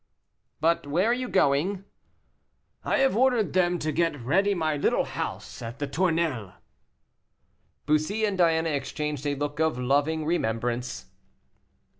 "But where are you going?" "I have ordered them to get ready my little house at the Tournelles." Bussy and Diana exchanged a look of loving remembrance.